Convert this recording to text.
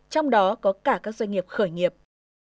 trong đó có cả các doanh nghiệp khởi nghiệp